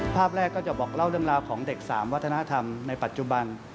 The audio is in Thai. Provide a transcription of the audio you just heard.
ภาพแรกก็จะบอกเล่าเรื่องราวของเด็ก๓วัฒนธรรมในปัจจุบัน